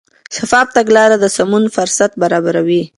شفاف تګلاره د سمون فرصت برابروي.